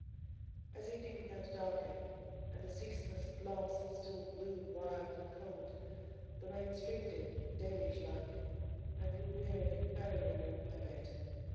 As evening began to darken, and the ceaseless blast still blew wild and cold, and the rain streamed on, deluge like, I grew weary—very weary of my bed.